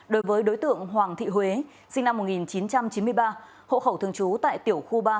đối với đối tượng hoàng thị huế sinh năm một nghìn chín trăm chín mươi ba hộ khẩu thường trú tại tiểu khu ba